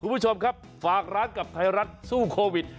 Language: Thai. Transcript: คุณผู้ชมครับฝากร้านกับไทยรัฐสู้โควิด